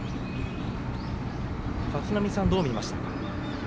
立浪さんはどう見ましたか。